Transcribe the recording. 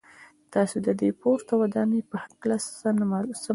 تاسو د دې پورته ودانۍ په هکله څه معلومات لرئ.